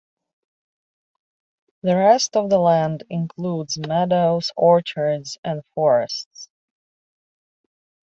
The rest of the land includes meadows, orchards, and forests.